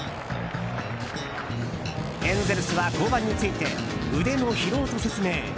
エンゼルスは降板について腕の疲労と説明。